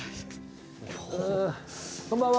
あこんばんは。